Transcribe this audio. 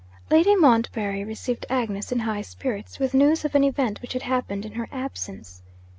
Lady Montbarry received Agnes in high spirits with news of an event which had happened in her absence.